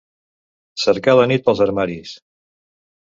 Cercar la nit pels armaris.